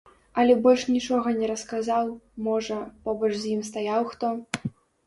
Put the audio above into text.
Але больш нічога не расказаў, можа, побач з ім стаяў хто.